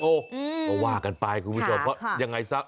ก็ว่ากันไปคุณผู้ชมเพราะยังไงซะ